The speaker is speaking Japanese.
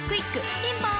ピンポーン